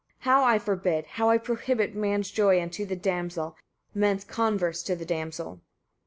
how I forbid, how I prohibit man's joy unto the damsel, man's converse to the damsel.